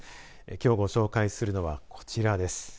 きょうご紹介するのはこちらです。